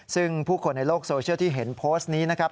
ซึ่งผู้คนในโลกโซเชียลที่เห็นโพสต์นี้นะครับ